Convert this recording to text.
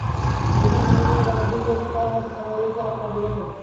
দেশের মানুষের কাছে জবাবদিহির জন্যও তাঁর হাতে সময় রয়েছে আরও চারটি বছর।